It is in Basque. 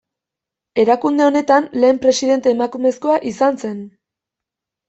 Erakunde honetan lehen presidente emakumezkoa izan zen.